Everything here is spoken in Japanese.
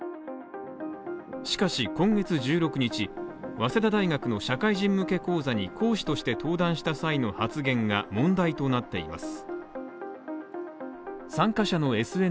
しかし今月１６日、早稲田大学の社会人向け講座に講師として登壇した際の発言が問題となっています。